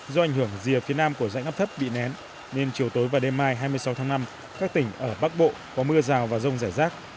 do ảnh hưởng rìa phía nam của rãnh áp thấp bị nén nên chiều tối và đêm mai hai mươi sáu tháng năm các tỉnh ở bắc bộ có mưa rào và rông rải rác